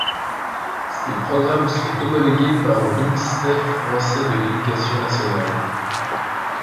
Ses programmes sont homologués par le ministère français de l'Éducation nationale.